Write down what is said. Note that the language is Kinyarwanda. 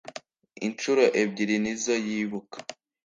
incuro ebyiri nizoyibuka.